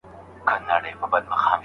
دی خپلو ملګرو ته پیسې ورکوي.